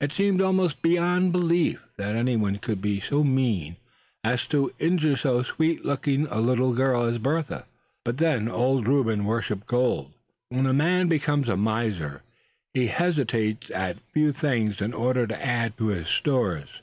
It seemed almost beyond belief that any one could be so mean as to want to injure so sweet looking a little girl as Bertha; but then, Old Reuben worshipped gold, and when a man becomes a miser he hesitates at few things in order to add to his stores.